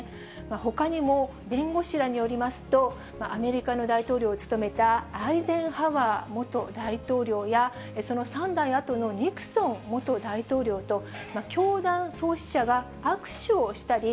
ほかにも弁護士らによりますと、アメリカの大統領を務めたアイゼンハワー元大統領や、その３代あとのニクソン元大統領と、教団創始者が握手をしたり、